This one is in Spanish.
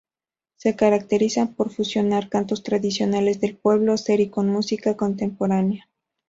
Se caracterizan por fusionar cantos tradicionales del pueblo seri con música contemporánea.